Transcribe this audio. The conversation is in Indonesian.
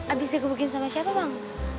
abis dia kebagiin sama siapa bang